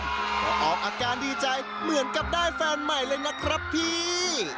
ก็ออกอาการดีใจเหมือนกับได้แฟนใหม่เลยนะครับพี่